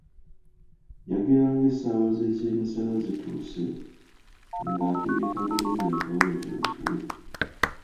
Yageranga essaawa z’ekyemisana zituuse, nga ategeka bulungi akawempe bajjule.